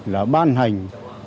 là ban hành